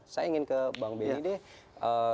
saya ingin ke bang benny deh